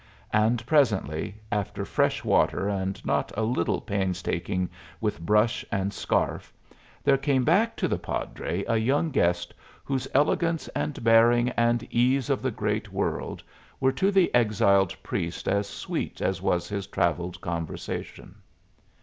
And presently, after fresh water and not a little painstaking with brush and scarf, there came back to the padre a young guest whose elegance and bearing and ease of the great world were to the exiled priest as sweet as was his traveled conversation.